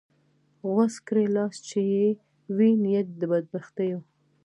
غوڅ کړې لاس چې یې وي نیت د بدبختیو